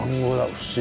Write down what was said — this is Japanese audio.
不思議。